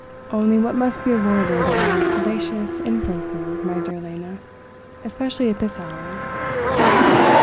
"Only what must be avoided are fallacious inferences, my dear Lena especially at this hour."